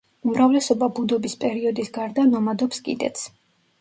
უმრავლესობა ბუდობის პერიოდის გარდა ნომადობს კიდეც.